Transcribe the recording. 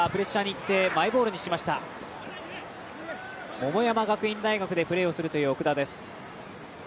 桃山学院大学でプレーする奥田です。